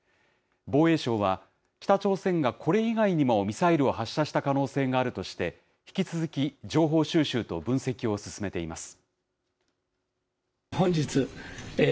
防衛省は、北朝鮮がこれ以外にもミサイルを発射した可能性があるとして、引き続き情報収集と分析を進めています。